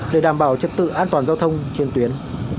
để đảm bảo trật tự an toàn giao thông trên tuyến